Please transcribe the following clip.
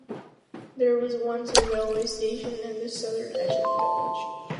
There was once a railway station on the southern edge of the village.